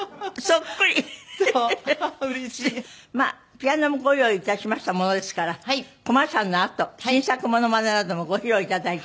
ピアノもご用意致しましたものですからコマーシャルのあと新作モノマネなどもご披露頂いて。